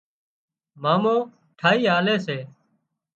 مامو ٺاهِي آلي سي